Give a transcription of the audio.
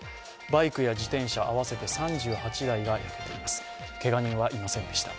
バイクや自転車合わせて３８台が焼けました。